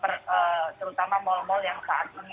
karena dengan kebijakan pemerintah yang secara bertahap ini